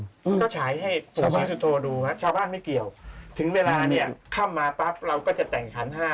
ก็ฉายให้ผู้ศิสตูดูนะครับชาวพระภาครับไม่เกี่ยวถึงเวลาเนี่ยข้ามมาปั๊บเราก็จะแต่งขาดห้า